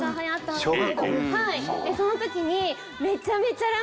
でその時に。